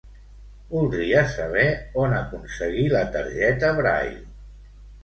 Voldria saber on aconseguir la targeta Braille.